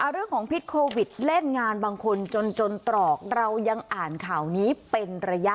เรื่องของพิษโควิดเล่นงานบางคนจนตรอกเรายังอ่านข่าวนี้เป็นระยะ